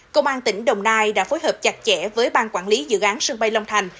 công an tỉnh đồng nai đã phối hợp chặt chẽ với bang quản lý dự án sân bay long thành